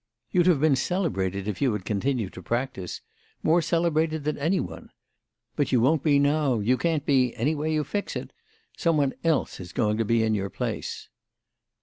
You'd have been celebrated if you had continued to practise—more celebrated than any one. But you won't be now—you can't be any way you fix it. Some one else is going to be in your place."